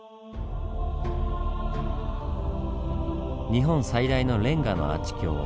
日本最大のレンガのアーチ橋